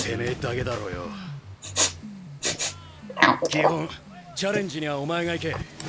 基本チャレンジにはお前が行け。